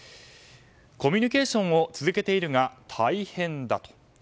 コミュニケーションを続けているが大変だと。